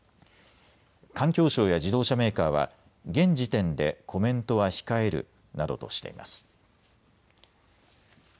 環境省や自動車メーカーは現時点でコメントは控えるなどとしています。